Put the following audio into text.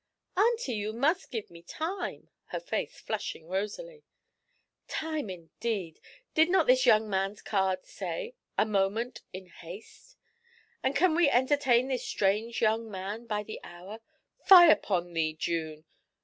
'Auntie, you must give me time!' her face flushing rosily. 'Time indeed! did not this young man's card say, 'A moment. In haste'? And can we entertain this strange young man by the hour? Fie upon thee, June!